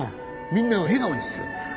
みんなを笑顔にするんだ